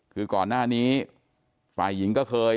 คือก่อนหน้านี้ฝ่ายหญิงก็เคย